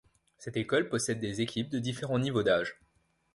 Cette école possède des équipes de différents niveaux d'âge.